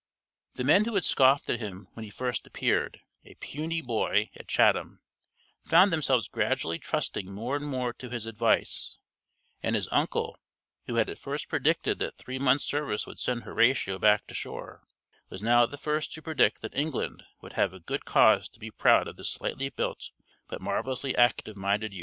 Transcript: The men who had scoffed at him when he first appeared, a puny boy, at Chatham, found themselves gradually trusting more and more to his advice, and his uncle, who had at first predicted that three months' service would send Horatio back to shore, was now the first to predict that England would have good cause to be proud of this slightly built but marvelously active minded youth.